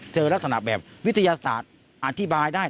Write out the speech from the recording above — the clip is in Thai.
เจอลักษณะแบบวิทยาศาสตร์อธิบายได้